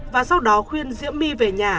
và sau đó khuyên diễm my về nhà